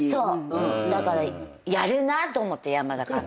だからやるなと思って山田監督。